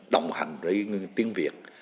đồng hành với tiếng việt